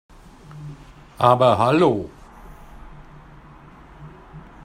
Aber hallo!